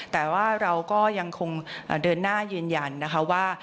แต่ว่าเราก็ยังคงเดินหน้ายืนยันนะคะว่า